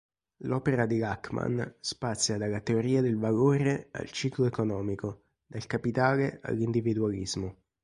L'opera di Lachmann spazia dalla teoria del valore al ciclo economico, dal capitale all'individualismo.